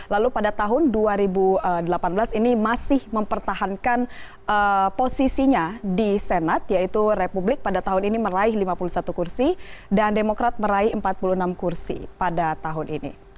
lalu pada tahun dua ribu delapan belas ini masih mempertahankan posisinya di senat yaitu republik pada tahun ini meraih lima puluh satu kursi dan demokrat meraih empat puluh enam kursi pada tahun ini